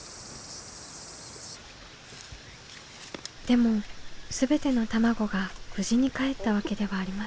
でも全ての卵が無事にかえったわけではありませんでした。